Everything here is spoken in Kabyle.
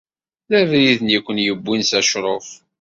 D abrid-nni i ken-yewwin s acṛuf?